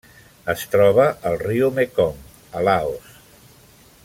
Es troba al riu Mekong a Laos.